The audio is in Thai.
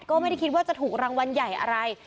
ก็ไม่ได้คิดว่าจะถูกรางวัลใหญ่อะไร